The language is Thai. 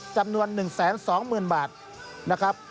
จำนวน๑๒๐๐๐บาทนะครับ